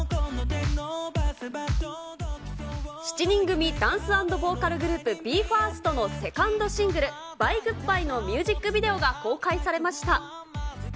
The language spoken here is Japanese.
７人組ダンス＆ボーカルグループ、ＢＥ：ＦＩＲＳＴのセカンドシングル、バイグッバイのミュージックビデオが公開されました。